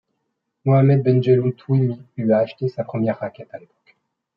Mohamed Benjelloun Touimi lui a acheté sa première raquette à l'époque.